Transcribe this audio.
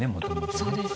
そうです。